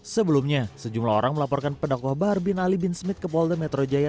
sebelumnya sejumlah orang melaporkan pendakwah bahar bin ali bin smith ke polda metro jaya